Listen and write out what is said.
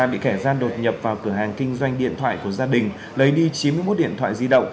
bị kẻ gian đột nhập vào cửa hàng kinh doanh điện thoại của gia đình lấy đi chín mươi một điện thoại di động